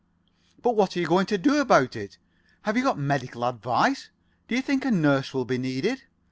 "But what are you going to do about it? Have you got medical advice? Do you think a nurse will be needed?